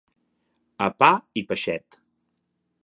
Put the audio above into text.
A pa i peixet.